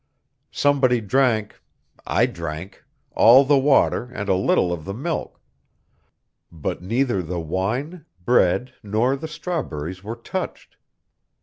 Somebody drank I drank all the water and a little of the milk, but neither the wine, bread nor the strawberries were touched.